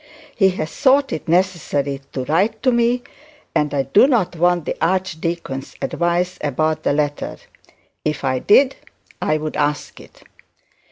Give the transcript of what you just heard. He has thought it necessary to write to me, and I do not want the archdeacon's advice about the letter. If I did I would ask it.'